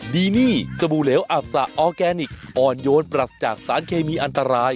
ดีนี่สบู่เหลวอับสะออร์แกนิคอ่อนโยนปรัสจากสารเคมีอันตราย